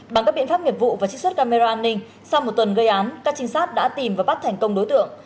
bằng các biện pháp nghiệp vụ và trích xuất camera an ninh sau một tuần gây án các trinh sát đã tìm và bắt thành công đối tượng